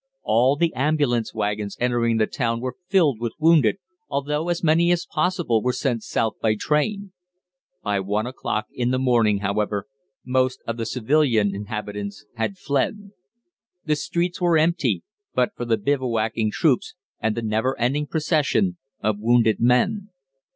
All the ambulance waggons entering the town were filled with wounded, although as many as possible were sent south by train. By one o'clock in the morning, however, most of the civilian inhabitants had fled. The streets were empty, but for the bivouacking troops and the never ending procession of wounded men.